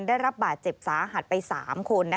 ได้รับบาดเจ็บสาหัสไป๓คน